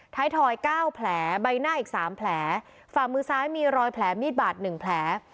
ถ๊ายทอย๙แผลใบหน้าอีก๓แผลฝ่ามือซ้ายมีรอยแผลมิลบาท๑แผล